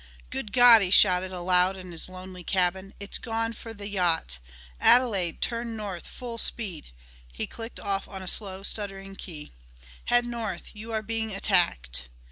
"Good God!" he shouted aloud in his lonely cabin. "It's gone for the yacht. Adelaide turn north full speed " he clicked off on a slow, stuttering key. "Head north. You are being attacked!"